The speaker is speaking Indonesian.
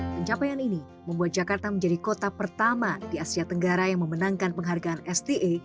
pencapaian ini membuat jakarta menjadi kota pertama di asia tenggara yang memenangkan penghargaan sda